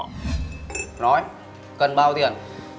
nói cần bao tiền